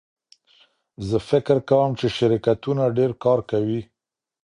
زه فکر کوم چې شرکتونه ډېر کار کوي.